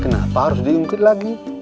kenapa harus diungkit lagi